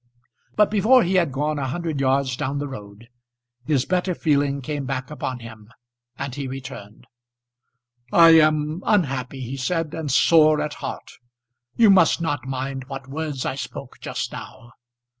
But before he had gone a hundred yards down the road his better feelings came back upon him, and he returned. "I am unhappy," he said, "and sore at heart. You must not mind what words I spoke just now."